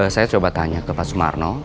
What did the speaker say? saya coba tanya ke pak sumarno